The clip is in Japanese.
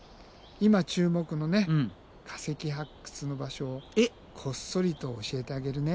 今注目のね化石発掘の場所をこっそりと教えてあげるね。